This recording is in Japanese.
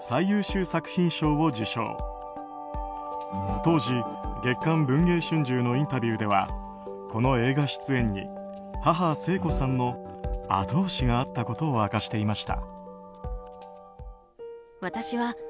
当時、「月刊文藝春秋」のインタビューではこの映画出演に母・聖子さんの後押しがあったことを明かしていました。